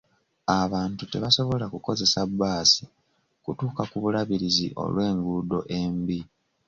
Abantu tebasobola kukozesa bbaasi kutuuka ku bulabirizi olw'enguudo embi .